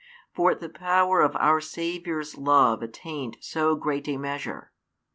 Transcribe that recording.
For the power of our Saviour's love attained so great a measure.